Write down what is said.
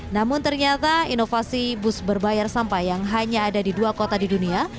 namun ternyata inovasi bus berbayar sampah yang hanya ada di dua kota di dunia